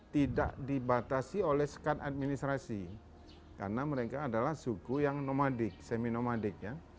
tidak dibatasi oleh sekat administrasi karena mereka adalah suku yang nomadik seminomadik ya